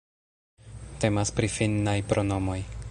Temas pri finnaj pronomoj.